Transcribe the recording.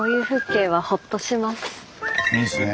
いいですね。